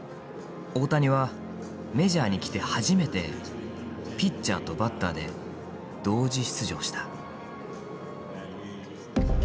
大谷はメジャーに来て初めてピッチャーとバッターで同時出場した。